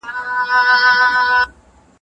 د پوهي لټون باید ونه درول سي.